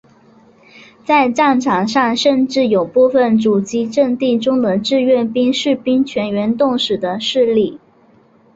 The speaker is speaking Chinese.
在战场上甚至有部分阻击阵地中的志愿兵士兵全员冻死的事例。